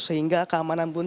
sehingga keamanan pun